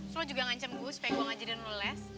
terus lo juga ngancam gue supaya gue nggak jadi nulis